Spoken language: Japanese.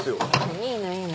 いいのいいの。